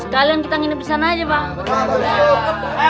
sekalian kita nginep di sana aja bang